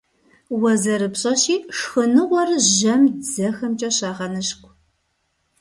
Уэ зэрыпщӀэщи, шхыныгъуэр жьэм дзэхэмкӀэ щагъэныщкӀу.